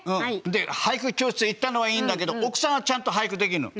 で俳句教室へ行ったのはいいんだけど奥さんはちゃんと俳句できんの。